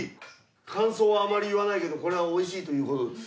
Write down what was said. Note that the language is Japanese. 感想はあまり言わないけどこれはおいしいということです。